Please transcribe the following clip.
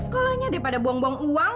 sekolahnya daripada buang buang uang